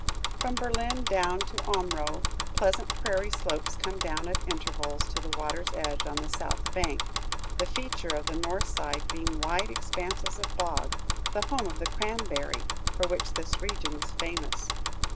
From Berlin down to Omro, pleasant prairie slopes come down at intervals to the water's edge, on the south bank; the feature of the north side being wide expanses of bog, the home of the cranberry, for which this region is famous.